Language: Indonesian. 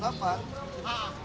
pak pak atas pak